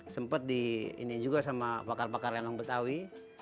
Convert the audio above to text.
sempat di ini juga sama pakar pakar lenong betawi